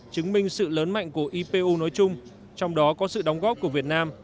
chứng minh sự lớn mạnh của ipu nói chung trong đó có sự đóng góp của việt nam